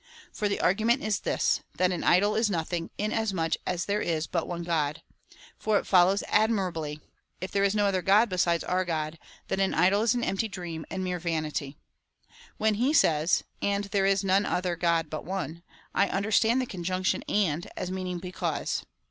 For the argument is this — that an idol is nothing, inasmuch as there is but one God ; for it follows 276 COMMENTARY ON THE CHAP. VIII 5. admirably —" If there is no other God besides our God, then an idol is an empty dream, and mere vanity." When he says — and there is none other God but one, I understand the con junction and as meaning because.